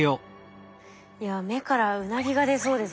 いや目からウナギが出そうです。